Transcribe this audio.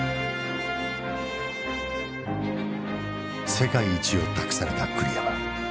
世界一を託された栗山。